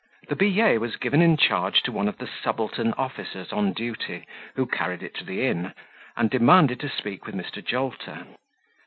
The billet was given in charge to one of the subaltern officers on duty, who carried it to the inn, and demanded to speak with Mr. Jolter.